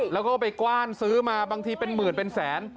แล้วก็ไปกว้านซื้อมาบางทีเป็นหมื่นเป็นแสน